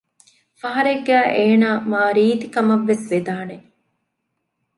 ފަހަރެއްގައި އޭނަ މާ ރީތީ ކަމަށްވެސް ވެދާނެ